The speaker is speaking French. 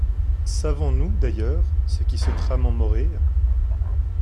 Savons-nous, d'ailleurs, ce qui se trame en Morée?